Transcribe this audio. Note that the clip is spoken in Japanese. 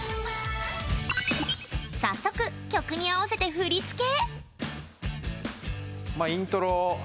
早速、曲に合わせて振り付け。